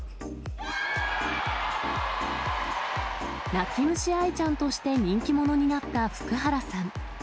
泣き虫愛ちゃんとして人気者になった福原さん。